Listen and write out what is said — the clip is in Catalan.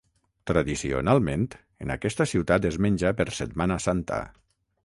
Tradicionalment, en aquesta ciutat es menja per Setmana Santa.